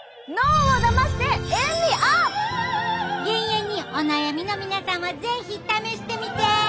減塩にお悩みの皆さんは是非試してみて！